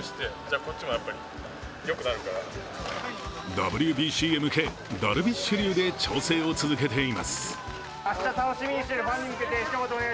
ＷＢＣへ向け、ダルビッシュ流で調整を続けています。